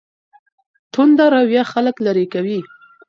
تنده رویه خلګ لیرې کوي.